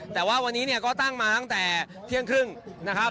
แต่ว่าวันนี้เนี่ยก็ตั้งมาตั้งแต่เที่ยงครึ่งนะครับ